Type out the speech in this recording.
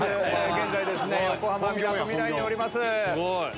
現在横浜みなとみらいにおります。